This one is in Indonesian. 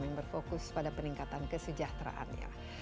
yang berfokus pada peningkatan kesejahteraannya